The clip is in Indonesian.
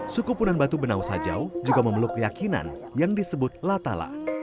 suku punan batu benau sajau juga memeluk keyakinan yang disebut latala